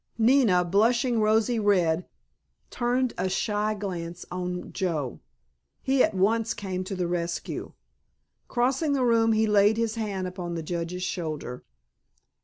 Nina, blushing rosy red, turned a shy glance on Joe. He at once came to the rescue. Crossing the room he laid his hand upon the Judge's shoulder.